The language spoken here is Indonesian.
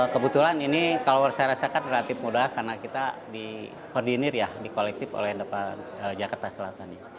kebetulan ini kalau saya rasakan relatif mudah karena kita dikoordinir ya di kolektif oleh jakarta selatan